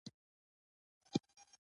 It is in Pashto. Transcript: • هر انسان ځانګړی فکر لري.